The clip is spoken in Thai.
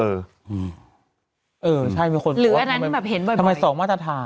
เออใช่มีคนคิดว่า